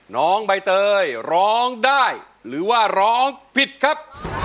น้องใบเตยร้องได้หรือว่าร้องผิดครับ